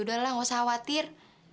udah lah gak usah khawatir